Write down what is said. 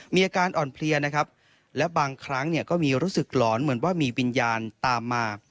มีอาการอ่อนเพลียนะครับและบางครั้งเนี่ยก็มีรู้สึกหลอนเหมือนว่ามีวิญญาณตามมา